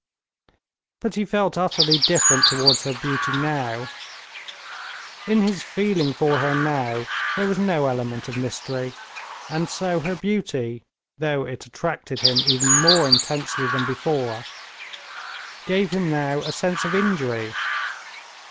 But he felt utterly different towards her beauty now. In his feeling for her now there was no element of mystery, and so her beauty, though it attracted him even more intensely than before, gave him now a sense of injury.